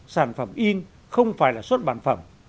sản phẩm in không phải là suất bản phẩm